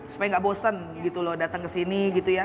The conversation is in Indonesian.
supaya nggak bosen gitu loh datang ke sini gitu ya